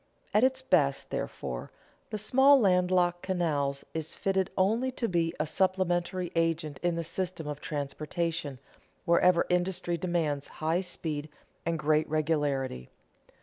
At its best, therefore, the small land locked canal is fitted only to be a supplementary agent in the system of transportation wherever industry demands high speed and great regularity.